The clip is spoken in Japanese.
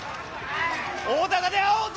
大高で会おうぞ！